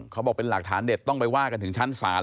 เขาบอกเป็นหลักฐานเด็ดต้องไปว่ากันถึงชั้นศาล